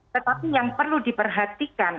tetapi yang perlu diperhatikan